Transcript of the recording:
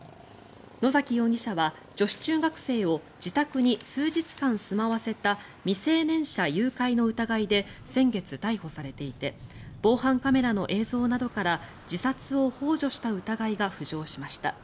野崎容疑者は、女子中学生を自宅に数日間住まわせた未成年者誘拐の疑いで先月、逮捕されていて防犯カメラの映像などから自殺をほう助した疑いが浮上しました。